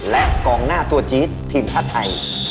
และกองหน้าตัวจี๊ดทีมชาติไทย